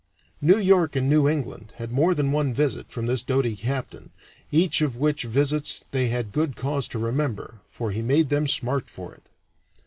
New York and New England had more than one visit from the doughty captain, each of which visits they had good cause to remember, for he made them smart for it.